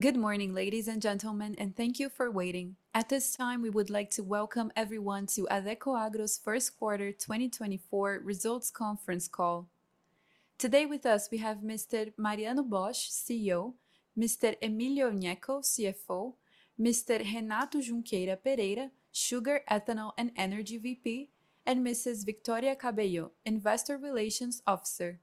Good morning, ladies and gentlemen, and thank you for waiting. At this time, we would like to welcome everyone to Adecoagro's Q1 2024 results conference call. Today with us, we have Mr. Mariano Bosch, CEO; Mr. Emilio Gnecco, CFO; Mr. Renato Junqueira Pereira, Sugar, Ethanol, and Energy VP; and Mrs. Victoria Cabello, Investor Relations Officer.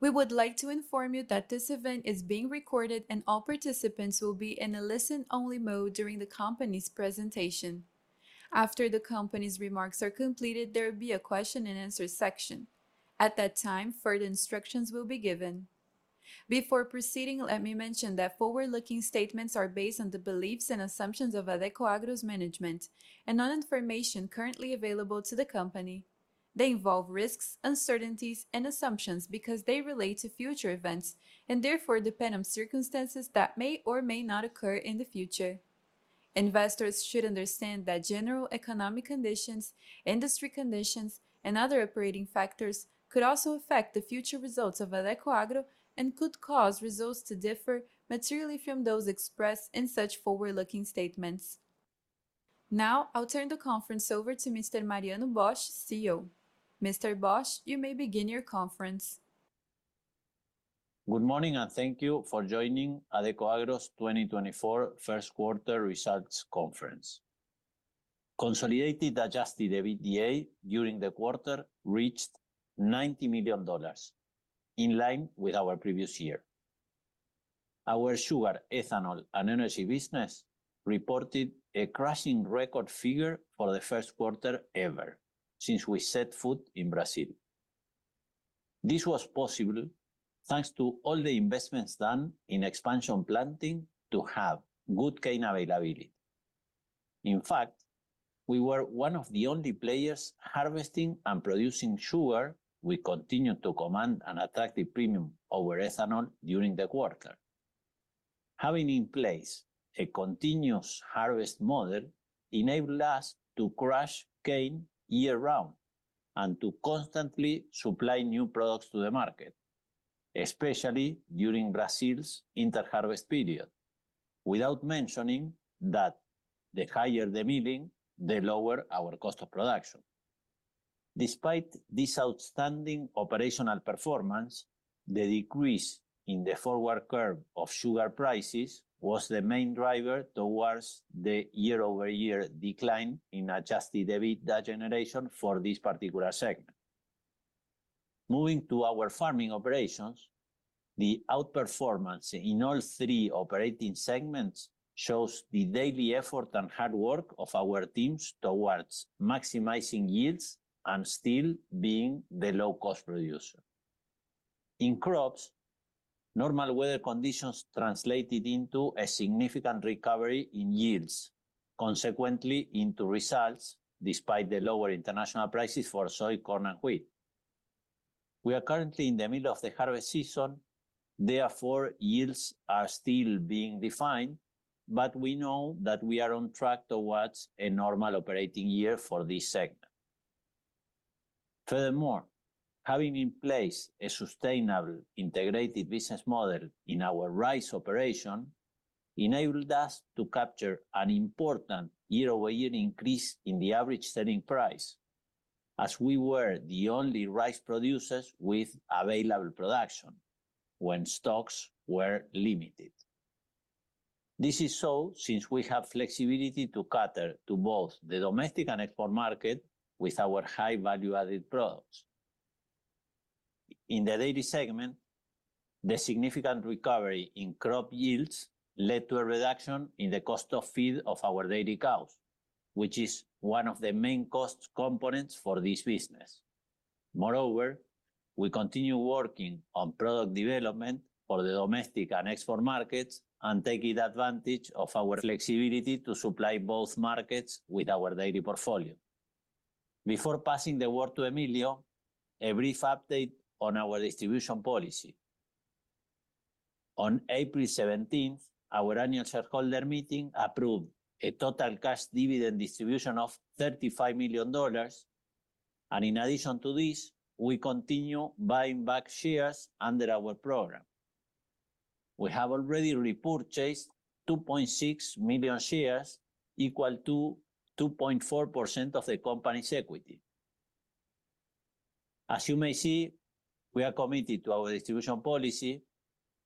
We would like to inform you that this event is being recorded, and all participants will be in a listen-only mode during the company's presentation. After the company's remarks are completed, there will be a question and answer section. At that time, further instructions will be given. Before proceeding, let me mention that forward-looking statements are based on the beliefs and assumptions of Adecoagro's management and on information currently available to the company. They involve risks, uncertainties, and assumptions because they relate to future events, and therefore, depend on circumstances that may or may not occur in the future. Investors should understand that general economic conditions, industry conditions, and other operating factors could also affect the future results of Adecoagro and could cause results to differ materially from those expressed in such forward-looking statements. Now, I'll turn the conference over to Mr. Mariano Bosch, CEO. Mr. Bosch, you may begin your conference. Good morning, and thank you for joining Adecoagro's 2024 Q1 results conference. Consolidated Adjusted EBITDA during the quarter reached $90 million, in line with our previous year. Our sugar, ethanol, and energy business reported a crushing record figure for the Q1 ever since we set foot in Brazil. This was possible thanks to all the investments done in expansion planting to have good cane availability. In fact, we were one of the only players harvesting and producing sugar. We continued to command an attractive premium over ethanol during the quarter. Having in place a continuous harvest model enabled us to crush cane year-round and to constantly supply new products to the market, especially during Brazil's inter-harvest period, without mentioning that the higher the milling, the lower our cost of production. Despite this outstanding operational performance, the decrease in the forward curve of sugar prices was the main driver towards the year-over-year decline in Adjusted EBITDA generation for this particular segment. Moving to our farming operations, the outperformance in all three operating segments shows the daily effort and hard work of our teams towards maximizing yields and still being the low-cost producer. In crops, normal weather conditions translated into a significant recovery in yields, consequently into results, despite the lower international prices for soy, corn, and wheat. We are currently in the middle of the harvest season, therefore, yields are still being defined, but we know that we are on track towards a normal operating year for this segment. Furthermore, having in place a sustainable integrated business model in our rice operation enabled us to capture an important year-over-year increase in the average selling price, as we were the only rice producers with available production when stocks were limited. This is so since we have flexibility to cater to both the domestic and export market with our high-value added products. In the dairy segment, the significant recovery in crop yields led to a reduction in the cost of feed of our dairy cows, which is one of the main cost components for this business. Moreover, we continue working on product development for the domestic and export markets and taking advantage of our flexibility to supply both markets with our dairy portfolio. Before passing the word to Emilio, a brief update on our distribution policy. On April 17th, our annual shareholder meeting approved a total cash dividend distribution of $35 million, and in addition to this, we continue buying back shares under our program. We have already repurchased 2.6 million shares, equal to 2.4% of the company's equity. As you may see, we are committed to our distribution policy,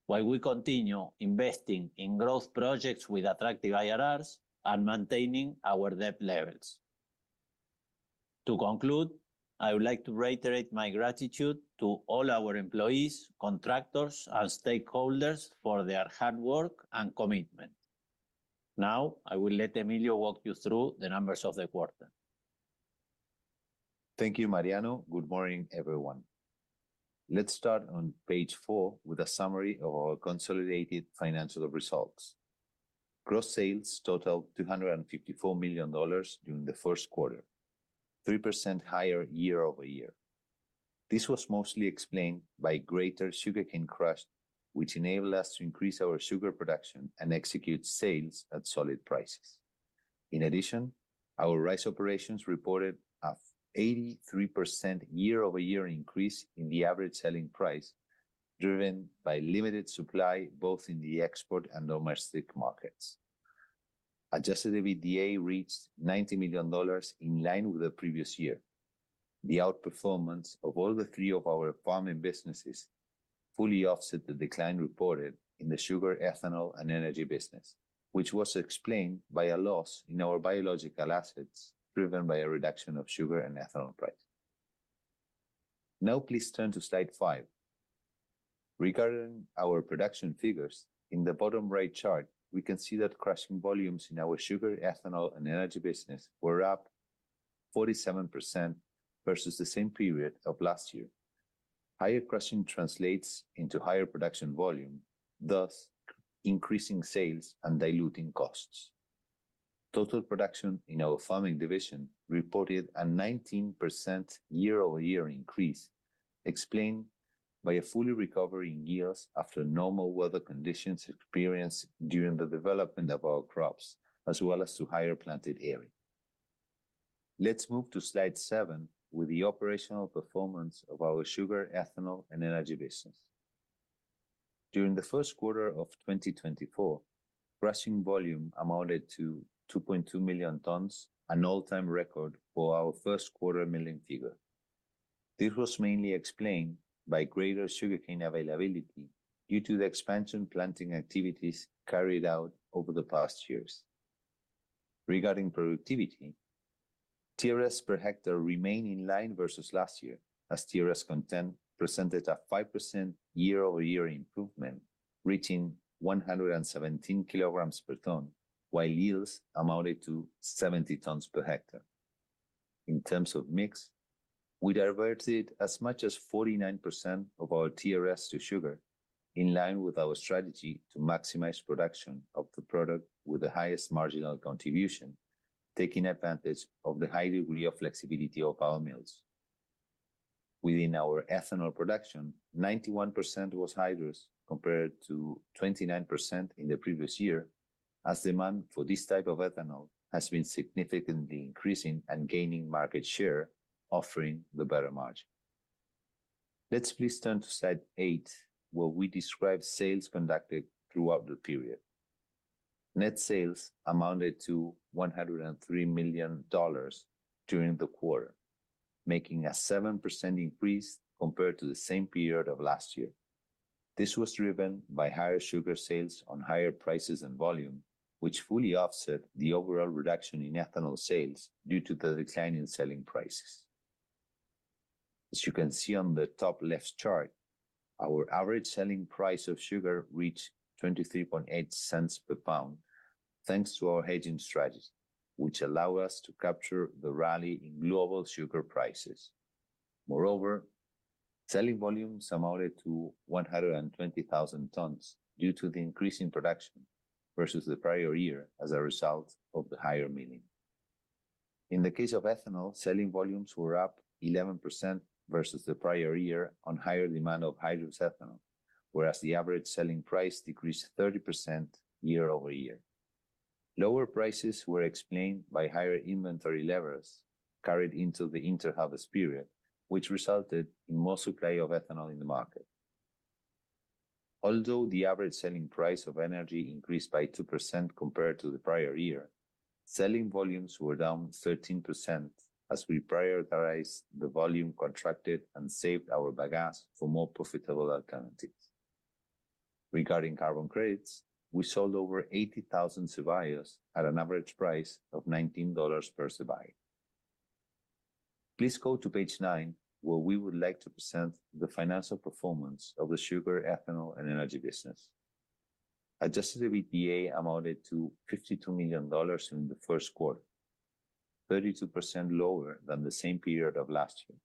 while we continue investing in growth projects with attractive IRRs and maintaining our debt levels. To conclude, I would like to reiterate my gratitude to all our employees, contractors, and stakeholders for their hard work and commitment. Now, I will let Emilio walk you through the numbers of the quarter. Thank you, Mariano. Good morning, everyone. Let's start on page 4 with a summary of our consolidated financial results. Gross sales totaled $254 million during the Q1, 3% higher year-over-year. This was mostly explained by greater sugarcane crush, which enabled us to increase our sugar production and execute sales at solid prices.... In addition, our rice operations reported an 83% year-over-year increase in the average selling price, driven by limited supply, both in the export and domestic markets. Adjusted EBITDA reached $90 million, in line with the previous year. The outperformance of all the three of our farming businesses fully offset the decline reported in the sugar, ethanol, and energy business, which was explained by a loss in our biological assets, driven by a reduction of sugar and ethanol price. Now, please turn to slide five. Regarding our production figures, in the bottom right chart, we can see that crushing volumes in our sugar, ethanol, and energy business were up 47% versus the same period of last year. Higher crushing translates into higher production volume, thus increasing sales and diluting costs. Total production in our farming division reported a 19% year-over-year increase, explained by a full recovery in yields after normal weather conditions experienced during the development of our crops, as well as to higher planted area. Let's move to slide 7 with the operational performance of our sugar, ethanol, and energy business. During the Q1 of 2024, crushing volume amounted to 2.2 million tons, an all-time record for our Q1 milling figure. This was mainly explained by greater sugarcane availability due to the expansion planting activities carried out over the past years. Regarding productivity, TRS per hectare remained in line versus last year, as TRS content presented a 5% year-over-year improvement, reaching 117 kg per ton, while yields amounted to 70 tons per hectare. In terms of mix, we diverted as much as 49% of our TRS to sugar, in line with our strategy to maximize production of the product with the highest marginal contribution, taking advantage of the high degree of flexibility of our mills. Within our ethanol production, 91% was hydrous, compared to 29% in the previous year, as demand for this type of ethanol has been significantly increasing and gaining market share, offering the better margin. Let's please turn to slide 8, where we describe sales conducted throughout the period. Net sales amounted to $103 million during the quarter, making a 7% increase compared to the same period of last year. This was driven by higher sugar sales on higher prices and volume, which fully offset the overall reduction in ethanol sales due to the decline in selling prices. As you can see on the top left chart, our average selling price of sugar reached 23.8 cents per pound, thanks to our hedging strategy, which allow us to capture the rally in global sugar prices. Moreover, selling volume amounted to 120,000 tons due to the increase in production versus the prior year as a result of the higher milling. In the case of ethanol, selling volumes were up 11% versus the prior year on higher demand of hydrous ethanol, whereas the average selling price decreased 30% year-over-year. Lower prices were explained by higher inventory levels carried into the inter-harvest period, which resulted in more supply of ethanol in the market. Although the average selling price of energy increased by 2% compared to the prior year, selling volumes were down 13% as we prioritized the volume contracted and saved our bagasse for more profitable alternatives. Regarding carbon credits, we sold over 80,000 CBIOs at an average price of $19 per CBIO. Please go to page 9, where we would like to present the financial performance of the sugar, ethanol, and energy business. Adjusted EBITDA amounted to $52 million in the Q1, 32% lower than the same period of last year.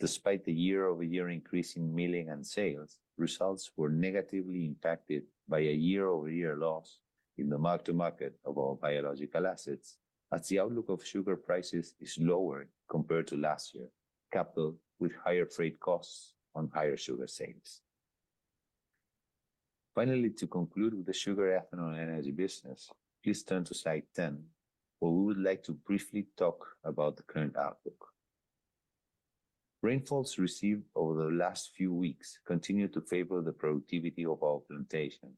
Despite the year-over-year increase in milling and sales, results were negatively impacted by a year-over-year loss in the mark-to-market of our biological assets, as the outlook of sugar prices is lower compared to last year, coupled with higher freight costs on higher sugar sales. Finally, to conclude with the sugar, ethanol, and energy business, please turn to slide 10, where we would like to briefly talk about the current outlook. Rainfalls received over the last few weeks continue to favor the productivity of our plantation.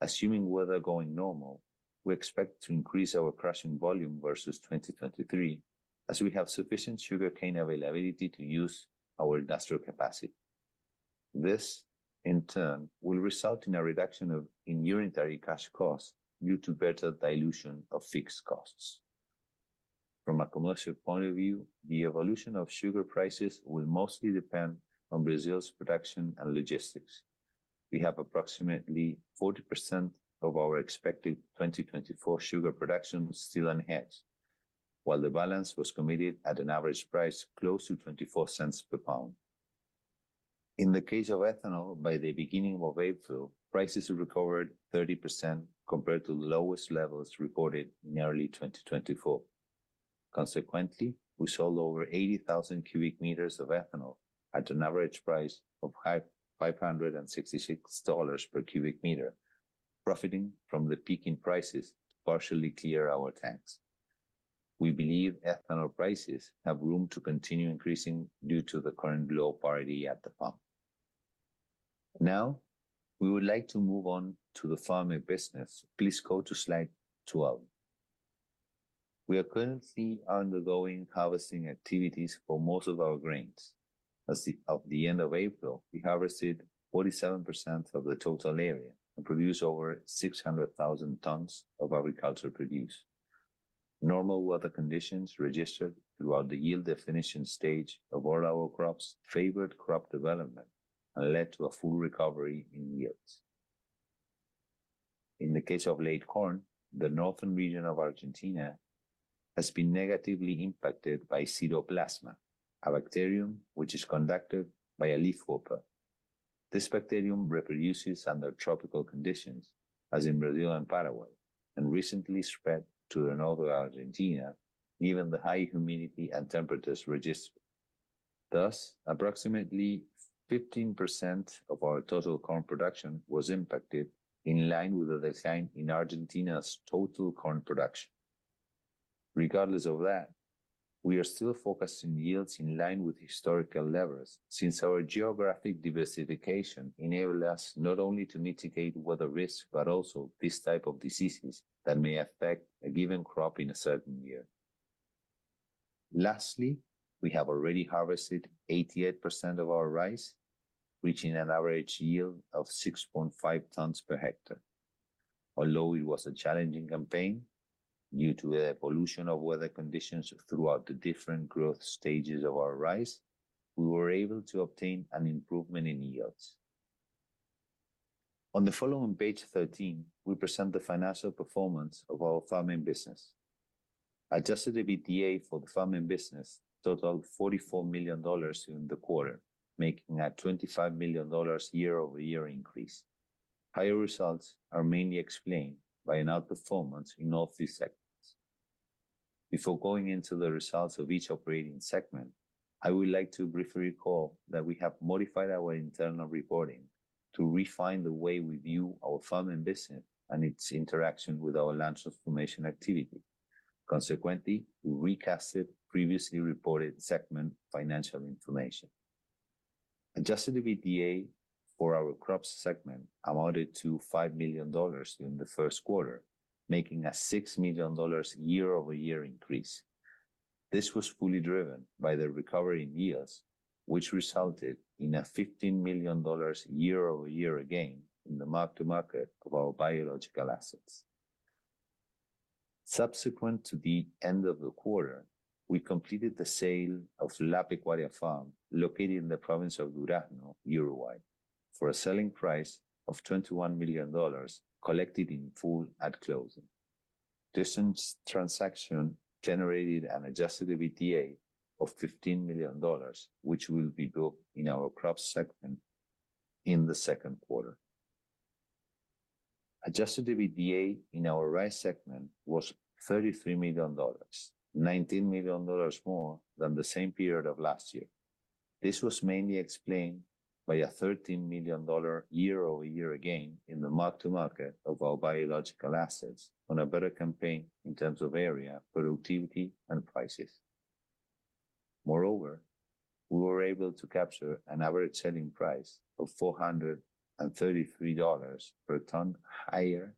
Assuming weather going normal, we expect to increase our crushing volume versus 2023, as we have sufficient sugarcane availability to use our industrial capacity. This, in turn, will result in a reduction of inventory cash costs due to better dilution of fixed costs. From a commercial point of view, the evolution of sugar prices will mostly depend on Brazil's production and logistics. We have approximately 40% of our expected 2024 sugar production still ahead, while the balance was committed at an average price close to $0.24 per pound. In the case of ethanol, by the beginning of April, prices recovered 30% compared to the lowest levels recorded in early 2024. Consequently, we sold over 80,000 cubic meters of ethanol at an average price of $5,566 per cubic meter, profiting from the peak in prices to partially clear our tanks. We believe ethanol prices have room to continue increasing due to the current low parity at the pump. Now, we would like to move on to the farming business. Please go to slide 12. We are currently undergoing harvesting activities for most of our grains. As of the end of April, we harvested 47% of the total area and produced over 600,000 tons of agricultural produce. Normal weather conditions registered throughout the yield definition stage of all our crops favored crop development and led to a full recovery in yields. In the case of late corn, the northern region of Argentina has been negatively impacted by Spiroplasma, a bacterium which is conducted by a leafhopper. This bacterium reproduces under tropical conditions, as in Brazil and Paraguay, and recently spread to the north of Argentina, given the high humidity and temperatures registered. Thus, approximately 15% of our total corn production was impacted, in line with the decline in Argentina's total corn production. Regardless of that, we are still focusing yields in line with historical levels, since our geographic diversification enabled us not only to mitigate weather risks, but also these type of diseases that may affect a given crop in a certain year. Lastly, we have already harvested 88% of our rice, reaching an average yield of 6.5 tons per hectare. Although it was a challenging campaign due to the evolution of weather conditions throughout the different growth stages of our rice, we were able to obtain an improvement in yields. On the following page 13, we present the financial performance of our farming business. Adjusted EBITDA for the farming business totaled $44 million in the quarter, making a $25 million year-over-year increase. Higher results are mainly explained by an outperformance in all three segments. Before going into the results of each operating segment, I would like to briefly recall that we have modified our internal reporting to refine the way we view our farming business and its interaction with our land transformation activity. Consequently, we recast previously reported segment financial information. Adjusted EBITDA for our crops segment amounted to $5 million in the Q1, making a $6 million year-over-year increase. This was fully driven by the recovery in yields, which resulted in a $15 million year-over-year gain in the mark-to-market of our biological assets. Subsequent to the end of the quarter, we completed the sale of La Pecuaria farm, located in the province of Durazno, Uruguay, for a selling price of $21 million, collected in full at closing. This transaction generated an adjusted EBITDA of $15 million, which will be booked in our crops segment in the Q2. Adjusted EBITDA in our rice segment was $33 million, $19 million more than the same period of last year. This was mainly explained by a $13 million year-over-year gain in the mark-to-market of our biological assets on a better campaign in terms of area, productivity, and prices. Moreover, we were able to capture an average selling price of $433 per ton, higher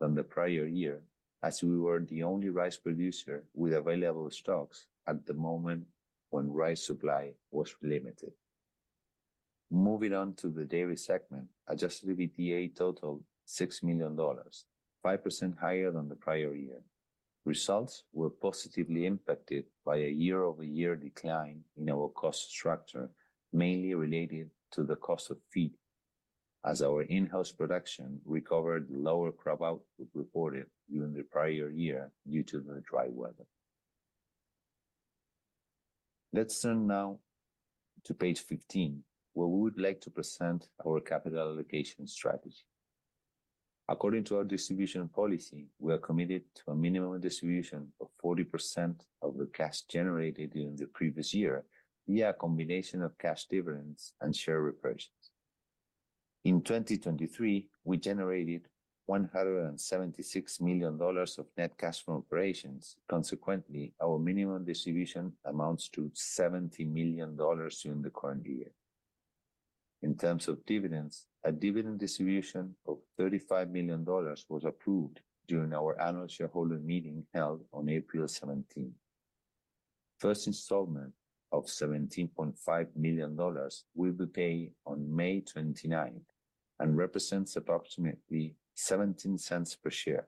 than the prior year, as we were the only rice producer with available stocks at the moment when rice supply was limited. Moving on to the dairy segment, adjusted EBITDA totaled $6 million, 5% higher than the prior year. Results were positively impacted by a year-over-year decline in our cost structure, mainly related to the cost of feed, as our in-house production recovered lower crop output reported during the prior year due to the dry weather. Let's turn now to page 15, where we would like to present our capital allocation strategy. According to our distribution policy, we are committed to a minimum distribution of 40% of the cash generated during the previous year via a combination of cash dividends and share repurchases. In 2023, we generated $176 million of net cash from operations. Consequently, our minimum distribution amounts to $70 million during the current year. In terms of dividends, a dividend distribution of $35 million was approved during our annual shareholder meeting held on April 17th. First installment of $17.5 million will be paid on May 29th and represents approximately 17 cents per share,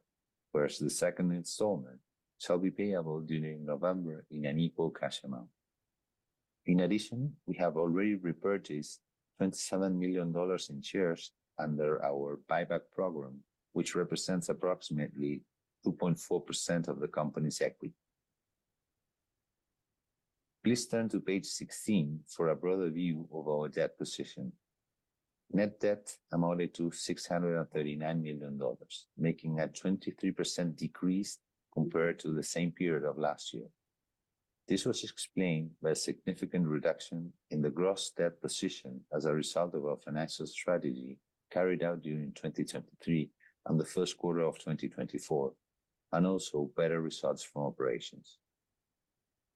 whereas the second installment shall be payable during November in an equal cash amount. In addition, we have already repurchased $27 million in shares under our buyback program, which represents approximately 2.4% of the company's equity. Please turn to page 16 for a broader view of our debt position. Net debt amounted to $639 million, making a 23% decrease compared to the same period of last year. This was explained by a significant reduction in the gross debt position as a result of our financial strategy carried out during 2023 and the Q1 of 2024, and also better results from operations.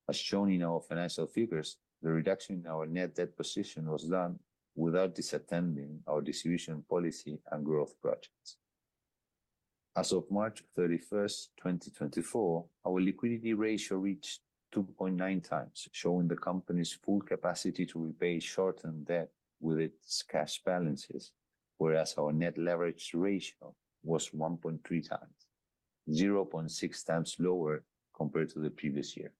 As shown in our financial figures, the reduction in our net debt position was done without disattending our distribution policy and growth projects. As of March 31, 2024, our liquidity ratio reached 2.9 times, showing the company's full capacity to repay short-term debt with its cash balances, whereas our net leverage ratio was 1.3 times, 0.6 times lower compared to the previous year.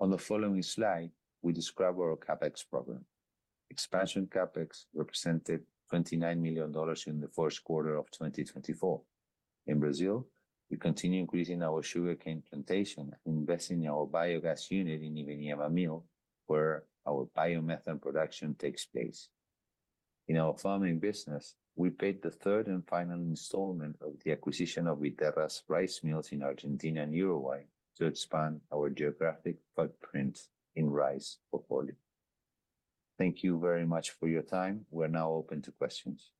On the following slide, we describe our CapEx program. Expansion CapEx represented $29 million in the Q1 of 2024. In Brazil, we continue increasing our sugarcane plantation, investing in our biogas unit in Ivinhema Mill, where our biomethane production takes place. In our farming business, we paid the third and final installment of the acquisition of Viterra's rice mills in Argentina and Uruguay to expand our geographic footprint in rice portfolio. Thank you very much for your time. We're now open to questions.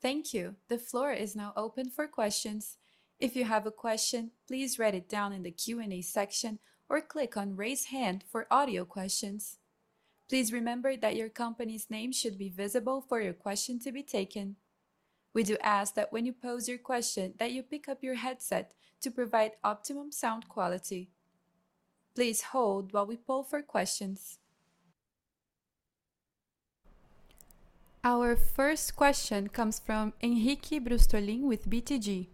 Thank you. The floor is now open for questions. If you have a question, please write it down in the Q&A section or click on Raise Hand for audio questions. Please remember that your company's name should be visible for your question to be taken. We do ask that when you pose your question, that you pick up your headset to provide optimum sound quality. Please hold while we poll for questions. Our first question comes from Henrique Brustolin with BTG.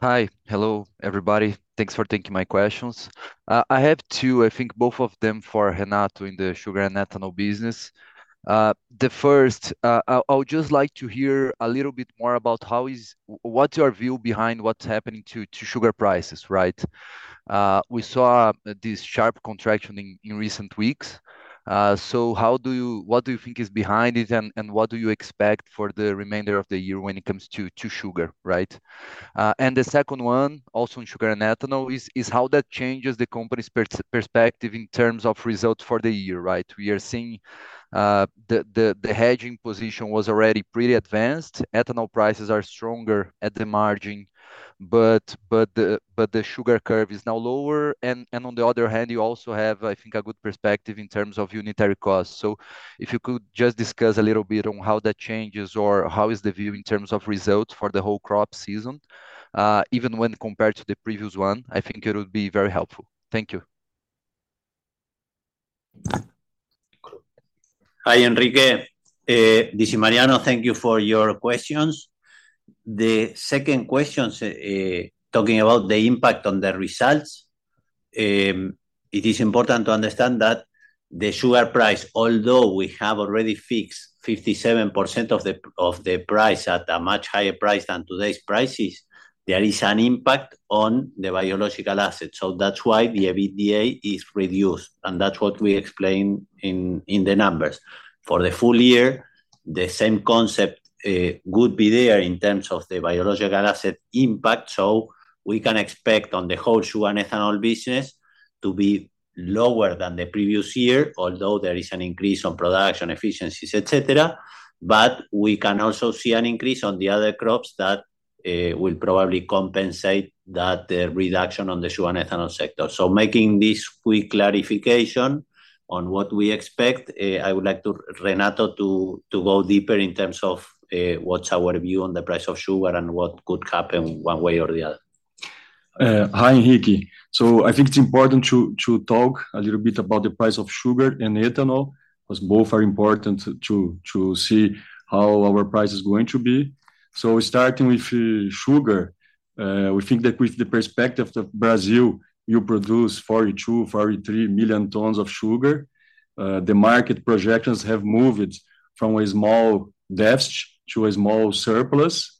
Hi. Hello, everybody. Thanks for taking my questions. I have two, I think both of them for Renato in the sugar and ethanol business. The first, I would just like to hear a little bit more about how is what's your view behind what's happening to sugar prices, right? We saw this sharp contraction in recent weeks. So, how do you, what do you think is behind it, and what do you expect for the remainder of the year when it comes to sugar, right? And the second one, also in sugar and ethanol, is how that changes the company's perspective in terms of results for the year, right? We are seeing the hedging position was already pretty advanced. Ethanol prices are stronger at the margin, but the sugar curve is now lower, and on the other hand, you also have, I think, a good perspective in terms of unitary costs. So if you could just discuss a little bit on how that changes or how is the view in terms of results for the whole crop season, even when compared to the previous one, I think it would be very helpful. Thank you. Hi, Henrique, this is Mariano. Thank you for your questions. The second question, talking about the impact on the results, it is important to understand that the sugar price, although we have already fixed 57% of the, of the price at a much higher price than today's prices, there is an impact on the biological assets. So that's why the EBITDA is reduced, and that's what we explained in, in the numbers. For the full year, the same concept, would be there in terms of the biological asset impact, so we can expect on the whole sugar and ethanol business to be lower than the previous year, although there is an increase on production efficiencies, et cetera. But we can also see an increase on the other crops that, will probably compensate that, the reduction on the sugar and ethanol sector. So, making this quick clarification on what we expect, I would like Renato to go deeper in terms of what's our view on the price of sugar and what could happen one way or the other. Hi, Henrique. So I think it's important to talk a little bit about the price of sugar and ethanol, because both are important to see how our price is going to be. So starting with sugar, we think that with the perspective of Brazil, you produce 42-43 million tons of sugar. The market projections have moved from a small deficit to a small surplus,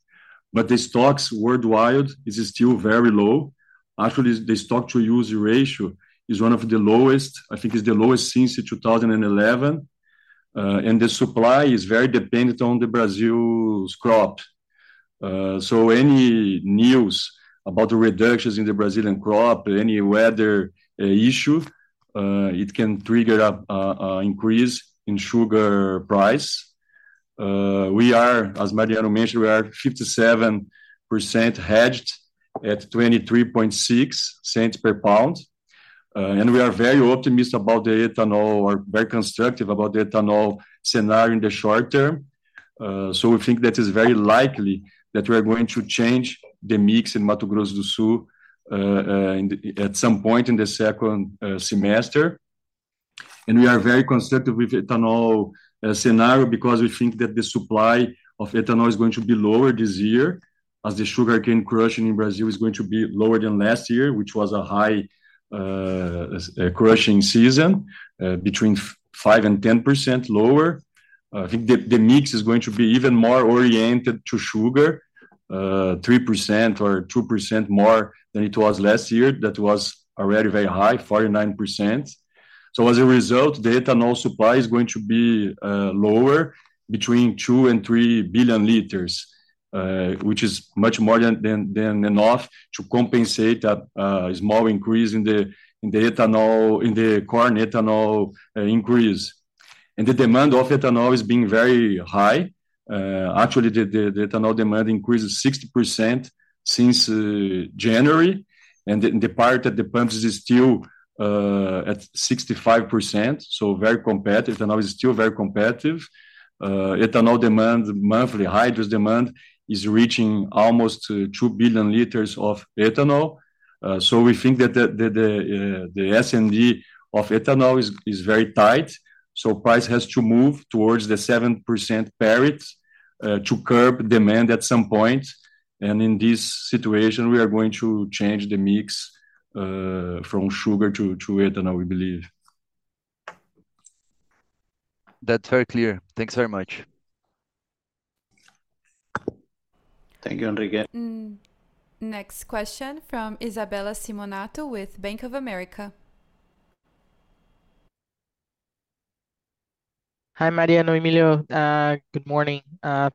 but the stocks worldwide is still very low. Actually, the stock to use ratio is one of the lowest, I think it's the lowest since 2011. And the supply is very dependent on Brazil's crop. So any news about the reductions in the Brazilian crop, any weather issue, it can trigger an increase in sugar price. We are, as Mariano mentioned, we are 57% hedged at $0.236 per pound. And we are very optimistic about the ethanol or very constructive about the ethanol scenario in the short term. So we think that is very likely that we are going to change the mix in Mato Grosso do Sul, in the—at some point in the second semester, and we are very constructive with ethanol scenario because we think that the supply of ethanol is going to be lower this year, as the sugarcane crushing in Brazil is going to be lower than last year, which was a high crushing season, between 5%-10% lower. I think the mix is going to be even more oriented to sugar, 3% or 2% more than it was last year. That was already very high, 49%. So as a result, the ethanol supply is going to be lower between 2-3 billion liters, which is much more than enough to compensate that small increase in the ethanol in the corn ethanol increase. And the demand of ethanol is being very high. Actually, the ethanol demand increases 60% since January, and the part at the pumps is still at 65%, so very competitive. Ethanol is still very competitive. Ethanol demand, monthly hydrous demand, is reaching almost to 2 billion liters of ethanol. So we think that the SMD of ethanol is very tight, so price has to move towards the 7% parity to curb demand at some point. In this situation, we are going to change the mix from sugar to ethanol, we believe. That's very clear. Thanks very much. Thank you, Henrique. Next question from Isabella Simonato with Bank of America. Hi, Mariano, Emilio. Good morning.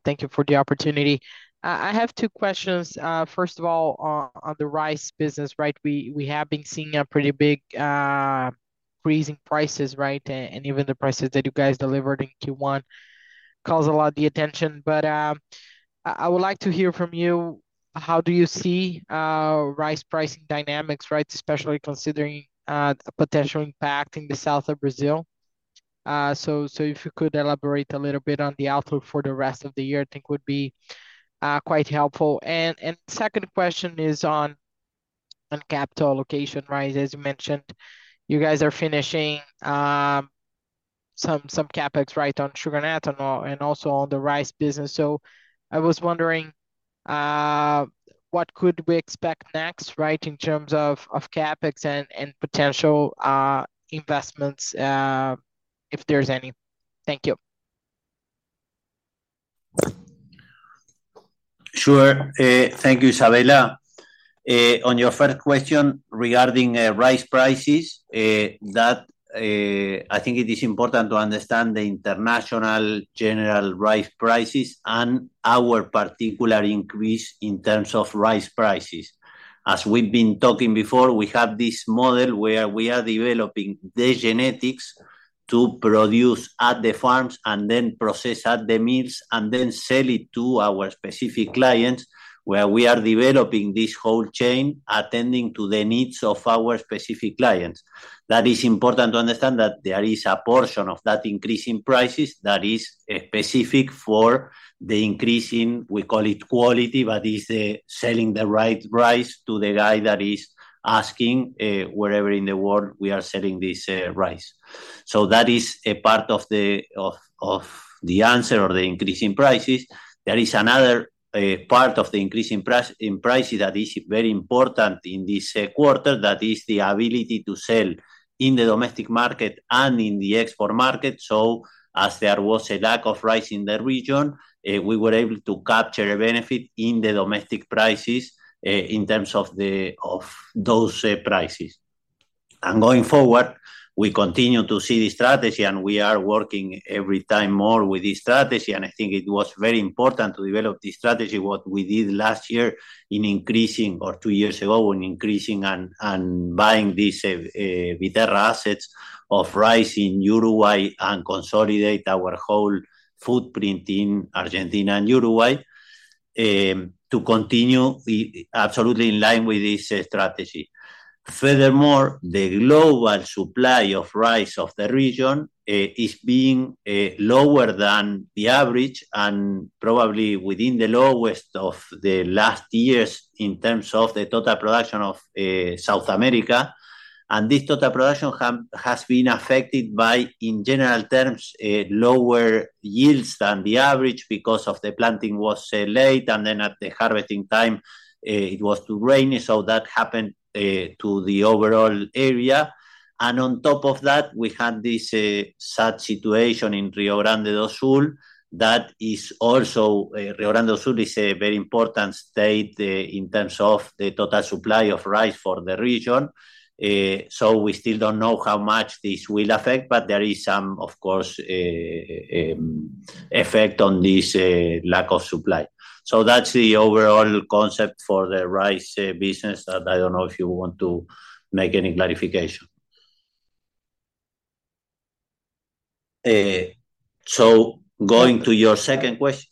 Thank you for the opportunity. I have two questions. First of all, on the rice business, right? We have been seeing a pretty big increase in prices, right? And even the prices that you guys delivered in Q1 called a lot of attention. But I would like to hear from you, how do you see rice pricing dynamics, right? Especially considering a potential impact in the south of Brazil. So if you could elaborate a little bit on the outlook for the rest of the year, I think would be quite helpful. And second question is on capital allocation, right? As you mentioned, you guys are finishing some CapEx, right, on sugar and ethanol, and also on the rice business. So I was wondering, what could we expect next, right, in terms of CapEx and potential investments, if there's any? Thank you. Sure, thank you, Isabella. On your first question regarding rice prices, I think it is important to understand the international general rice prices and our particular increase in terms of rice prices. As we've been talking before, we have this model where we are developing the genetics to produce at the farms and then process at the mills, and then sell it to our specific clients, where we are developing this whole chain, attending to the needs of our specific clients. That is important to understand that there is a portion of that increase in prices that is specific for the increase in, we call it quality, but is the selling the right rice to the guy that is asking, wherever in the world we are selling this rice. So that is a part of the answer or the increase in prices. There is another part of the increase in prices that is very important in this quarter. That is the ability to sell in the domestic market and in the export market. So as there was a lack of rice in the region, we were able to capture a benefit in the domestic prices, in terms of those prices. And going forward, we continue to see the strategy, and we are working every time more with this strategy. And I think it was very important to develop this strategy, what we did last year in increasing... or two years ago, in increasing and buying these Viterra assets of rice in Uruguay and consolidate our whole footprint in Argentina and Uruguay, to continue the absolutely in line with this strategy. Furthermore, the global supply of rice of the region is being lower than the average and probably within the lowest of the last years in terms of the total production of South America. And this total production has been affected by, in general terms, lower yields than the average because of the planting was late, and then at the harvesting time it was too rainy, so that happened to the overall area. And on top of that, we had this sad situation in Rio Grande do Sul that is also... Rio Grande do Sul is a very important state in terms of the total supply of rice for the region. So we still don't know how much this will affect, but there is some, of course, effect on this lack of supply. So that's the overall concept for the rice business, and I don't know if you want to make any clarification. So going to your second question?...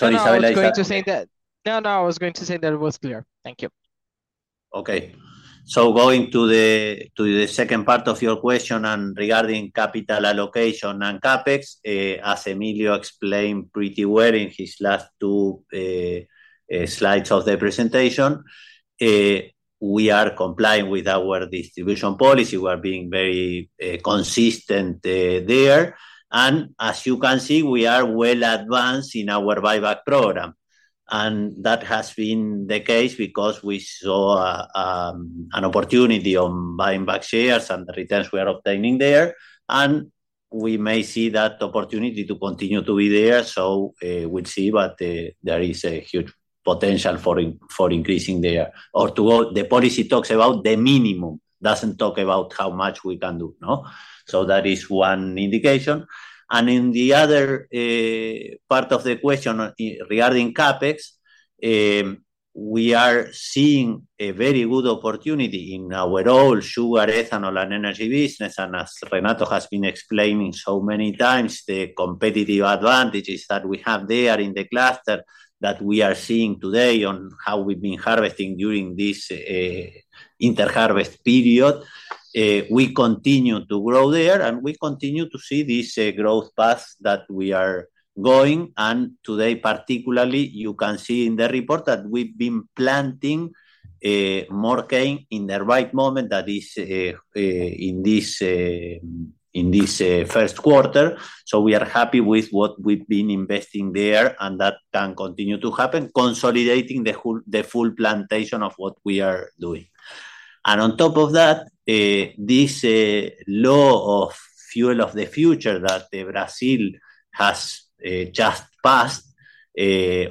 No, no, I was going to say that. No, no, I was going to say that it was clear. Thank you. Okay. So going to the second part of your question and regarding capital allocation and CapEx, as Emilio explained pretty well in his last two slides of the presentation, we are complying with our distribution policy. We are being very consistent there. And as you can see, we are well advanced in our buyback program, and that has been the case because we saw an opportunity on buying back shares and the returns we are obtaining there, and we may see that opportunity to continue to be there. So, we'll see, but there is a huge potential for increasing there. Or to what the policy talks about, the minimum. Doesn't talk about how much we can do, no? So that is one indication. In the other part of the question regarding CapEx, we are seeing a very good opportunity in our overall sugar, ethanol, and energy business. As Renato has been explaining so many times, the competitive advantages that we have there in the cluster that we are seeing today on how we've been harvesting during this inter-harvest period, we continue to grow there, and we continue to see this growth path that we are going. Today, particularly, you can see in the report that we've been planting more cane in the right moment. That is in this Q1. So we are happy with what we've been investing there, and that can continue to happen, consolidating the whole- the full plantation of what we are doing. And on top of that, this law of Fuel of the Future that Brazil has just passed,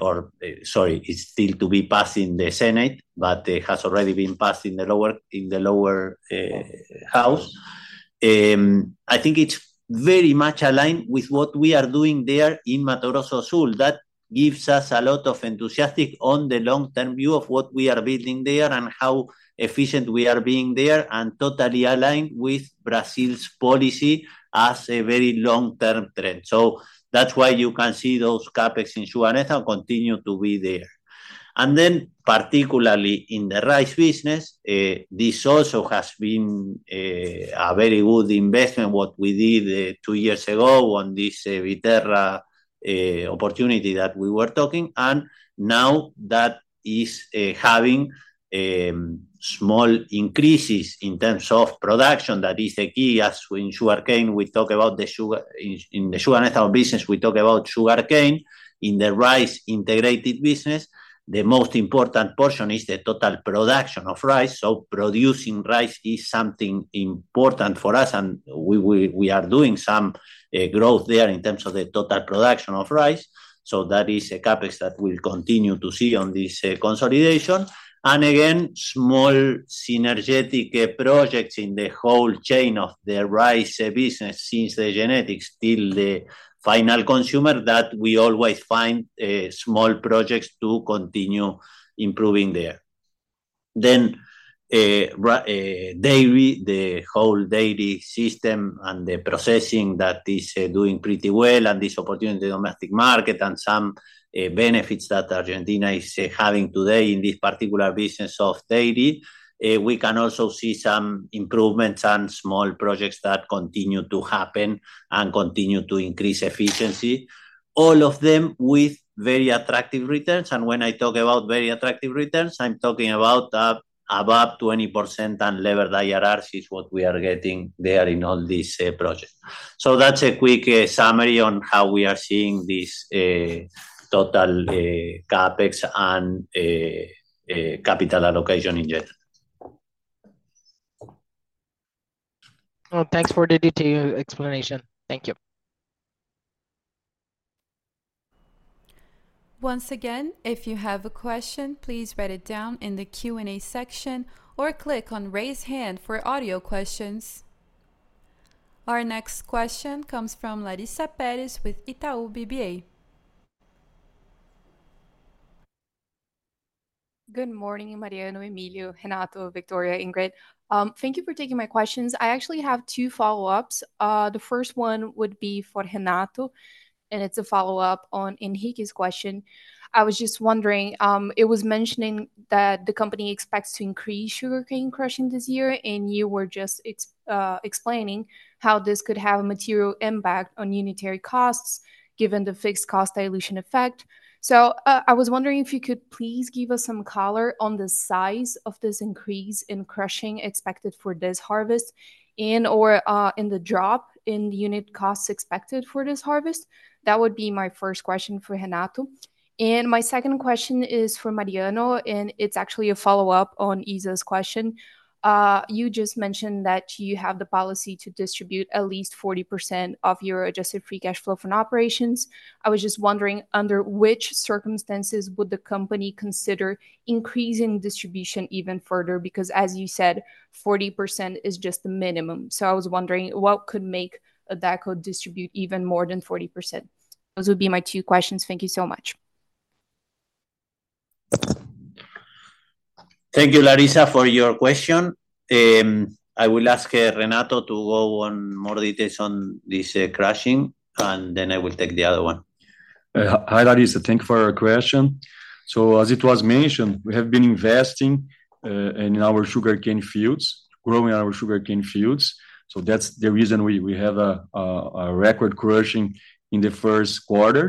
or sorry, it's still to be passed in the Senate, but it has already been passed in the lower, in the lower House. I think it's very much aligned with what we are doing there in Mato Grosso do Sul. That gives us a lot of enthusiasm on the long-term view of what we are building there and how efficient we are being there and totally aligned with Brazil's policy as a very long-term trend. So that's why you can see those CapEx in sugar and ethanol continue to be there. And then, particularly in the rice business, this also has been a very good investment, what we did two years ago on this Viterra opportunity that we were talking. Now that is having small increases in terms of production that is the key, as in sugarcane, we talk about the sugar. In the sugar and ethanol business, we talk about sugarcane. In the rice integrated business, the most important portion is the total production of rice, so producing rice is something important for us, and we are doing some growth there in terms of the total production of rice. So that is a CapEx that we'll continue to see on this consolidation. And again, small synergetic projects in the whole chain of the rice business, since the genetics till the final consumer, that we always find small projects to continue improving there. Then, dairy, the whole dairy system and the processing that is doing pretty well, and this opportunity in the domestic market and some benefits that Argentina is having today in this particular business of dairy, we can also see some improvements and small projects that continue to happen and continue to increase efficiency, all of them with very attractive returns. And when I talk about very attractive returns, I'm talking about above 20% unlevered IRRs is what we are getting there in all these projects. So that's a quick summary on how we are seeing this total CapEx and capital allocation in general. Well, thanks for the detailed explanation. Thank you. Once again, if you have a question, please write it down in the Q&A section or click on Raise Hand for audio questions. Our next question comes from Larissa Pérez with Itaú BBA. Good morning, Mariano, Emilio, Renato, Victoria, Ingrid. Thank you for taking my questions. I actually have two follow-ups. The first one would be for Renato, and it's a follow-up on Henrique's question. I was just wondering, it was mentioning that the company expects to increase sugarcane crushing this year, and you were just explaining how this could have a material impact on unitary costs, given the fixed cost dilution effect. So, I was wondering if you could please give us some color on the size of this increase in crushing expected for this harvest and/or, in the drop in unit costs expected for this harvest? That would be my first question for Renato. And my second question is for Mariano, and it's actually a follow-up on Isa's question. You just mentioned that you have the policy to distribute at least 40% of your adjusted free cash flow from operations. I was just wondering, under which circumstances would the company consider increasing distribution even further? Because, as you said, 40% is just the minimum. So I was wondering, what could make Adeco distribute even more than 40%? Those would be my two questions. Thank you so much. ... Thank you, Larissa, for your question. I will ask Renato to go into more details on this crushing, and then I will take the other one. Hi, Larissa, thank you for your question. So as it was mentioned, we have been investing in our sugarcane fields, growing our sugarcane fields, so that's the reason we have a record crushing in the Q1.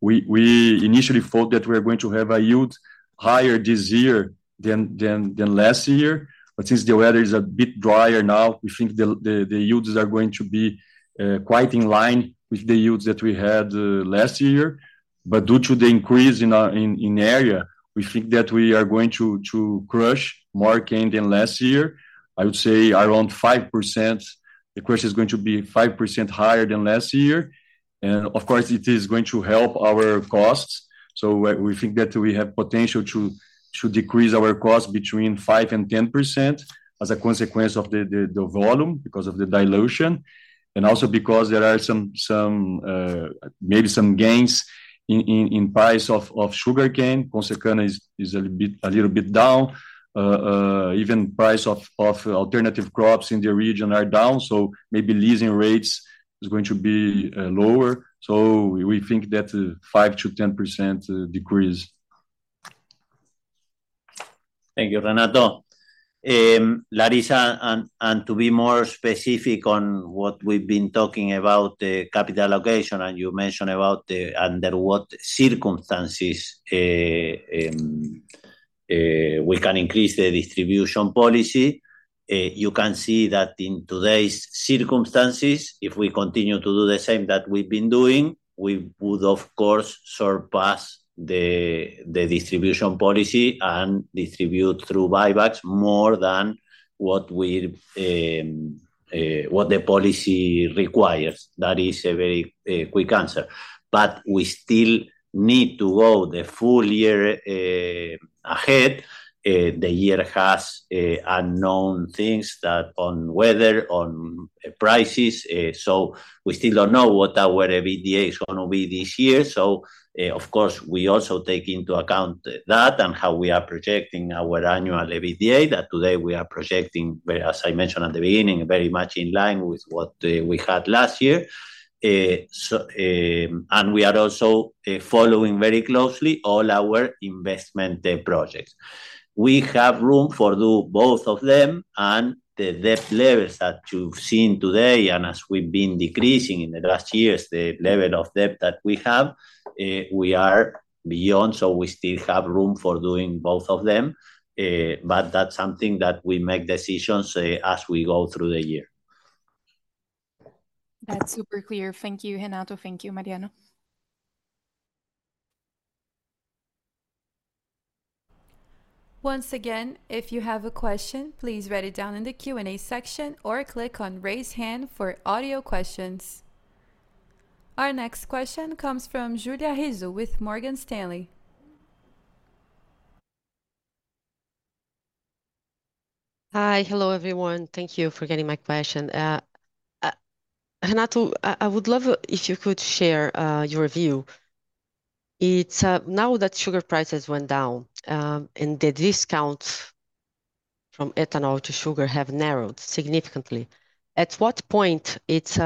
We initially thought that we are going to have a yield higher this year than last year, but since the weather is a bit drier now, we think the yields are going to be quite in line with the yields that we had last year. But due to the increase in our area, we think that we are going to crush more cane than last year. I would say around 5%, the crush is going to be 5% higher than last year, and of course, it is going to help our costs. So we think that we have potential to decrease our cost between 5% and 10% as a consequence of the volume, because of the dilution, and also because there are some maybe some gains in price of sugarcane. Consecana is a bit a little bit down. Even price of alternative crops in the region are down, so maybe leasing rates is going to be lower. So we think that 5%-10% decrease. Thank you, Renato. Larissa, and to be more specific on what we've been talking about, the capital allocation, and you mentioned about the under what circumstances we can increase the distribution policy. You can see that in today's circumstances, if we continue to do the same that we've been doing, we would, of course, surpass the distribution policy and distribute through buybacks more than what we what the policy requires. That is a very quick answer. But we still need to go the full year ahead. The year has unknown things that on weather, on prices, so we still don't know what our EBITDA is gonna be this year. So, of course, we also take into account that and how we are projecting our annual EBITDA, that today we are projecting, as I mentioned at the beginning, very much in line with what we had last year. And we are also following very closely all our investment projects. We have room for do both of them and the debt levels that you've seen today, and as we've been decreasing in the last years, the level of debt that we have, we are beyond, so we still have room for doing both of them. But that's something that we make decisions as we go through the year. That's super clear. Thank you, Renato. Thank you, Mariano. Once again, if you have a question, please write it down in the Q&A section or click on Raise Hand for audio questions. Our next question comes from Julia Rizzo with Morgan Stanley. Hi. Hello, everyone. Thank you for getting my question. Renato, I would love if you could share your view. It's now that sugar prices went down, and the discount from ethanol to sugar have narrowed significantly, at what point it's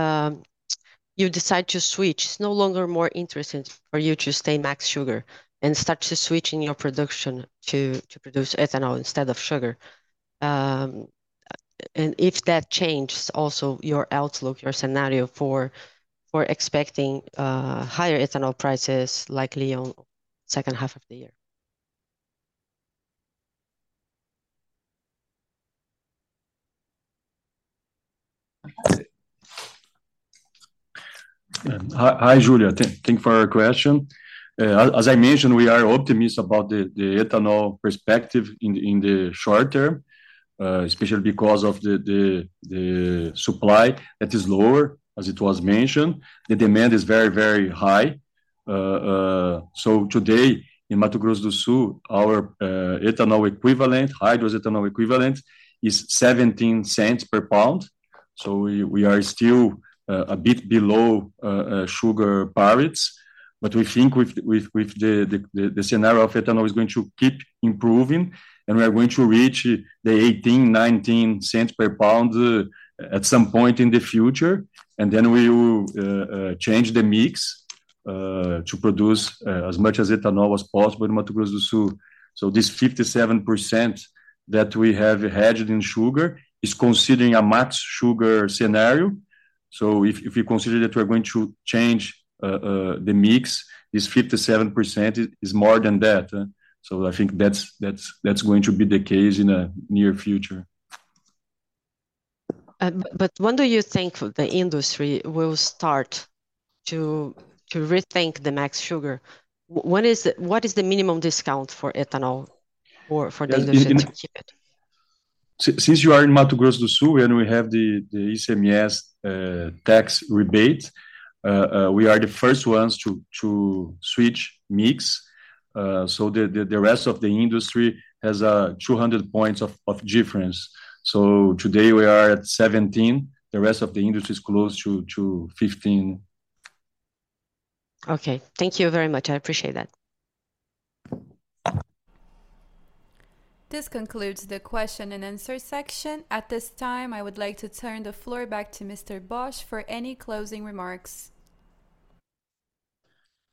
you decide to switch? It's no longer more interesting for you to stay max sugar and start to switching your production to produce ethanol instead of sugar. And if that changes also your outlook, your scenario for expecting higher ethanol prices likely on second half of the year. Hi, Julia. Thank you for your question. As I mentioned, we are optimistic about the ethanol perspective in the short term, especially because of the supply that is lower, as it was mentioned. The demand is very, very high. So today in Mato Grosso do Sul, our ethanol equivalent, hydrous ethanol equivalent, is $0.17 per pound, so we are still a bit below sugar parity. But we think with the scenario of ethanol is going to keep improving, and we are going to reach the $0.18-$0.19 per pound at some point in the future. And then we will change the mix to produce as much ethanol as possible in Mato Grosso do Sul. So this 57% that we have hedged in sugar is considering a max sugar scenario. So if, if you consider that we're going to change, the mix, this 57% is, is more than that, so I think that's, that's, that's going to be the case in the near future. But when do you think the industry will start to rethink the max sugar? What is the minimum discount for ethanol or for the industry to keep it? Since you are in Mato Grosso do Sul, and we have the ICMS tax rebate, we are the first ones to switch mix. So the rest of the industry has a 200 points of difference. So today we are at 17. The rest of the industry is close to 15. Okay. Thank you very much. I appreciate that. This concludes the question and answer section. At this time, I would like to turn the floor back to Mr. Bosch for any closing remarks.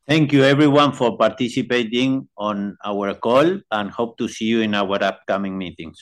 Thank you everyone for participating on our call, and hope to see you in our upcoming meetings.